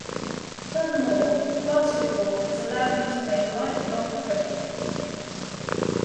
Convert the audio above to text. Furthermore, basketball has allowed me to make lifelong friendships.